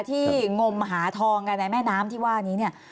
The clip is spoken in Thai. ที่งมหาทองในแม่น้ำที่ว่างานี้